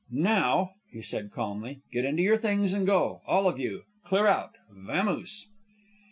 "Now," he said, calmly, "get into your things and go. All of you. Clear out. Vamose."